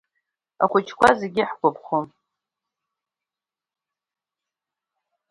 Ахәыҷқәа зегь иаҳгәаԥхон…